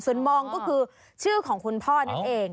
ส่วนมองก็คือชื่อของคุณพ่อนั่นเอง